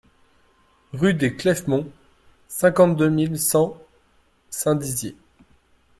Rue des Clefmonts, cinquante-deux mille cent Saint-Dizier